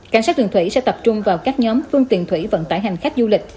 cảnh sát đường thủy sẽ tập trung vào các nhóm phương tiện thủy vận tải hành khách du lịch